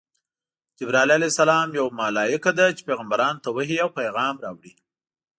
جبراییل ع یوه ملایکه ده چی پیغمبرانو ته وحی او پیغام راوړي.